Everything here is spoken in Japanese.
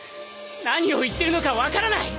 何を言ってるのか分からない！